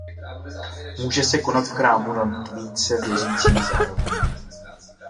Může se konat v chrámu nad více věřícími zároveň.